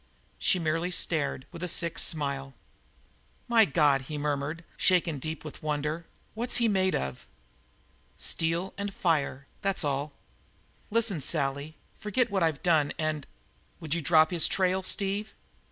She merely stared, with a sick smile. "My God!" he murmured, shaken deep with wonder. "What's he made of?" "Steel and fire that's all." "Listen, Sally, forget what I've done, and " "Would you drop his trail, Steve?"